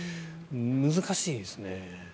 難しいですね。